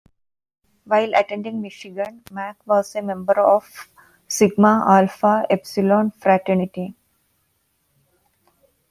While attending Michigan, Mack was a member of Sigma Alpha Epsilon fraternity.